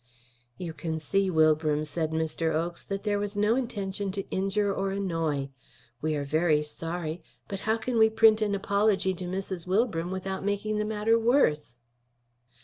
"You can see, Wilbram," said Mr. Oakes, "that there was no intention to injure or annoy. We are very sorry; but how can we print an apology to Mrs. Wilbram without making the matter worse?"